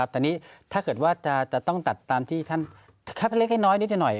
แต่นี่ถ้าเกิดว่าจะต้องตัดตามที่ท่านคัดเล็กให้น้อยนิดหน่อย